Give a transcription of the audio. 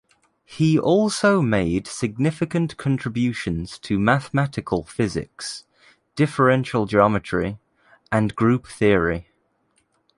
He also made significant contributions to mathematical physics, differential geometry, and group theory.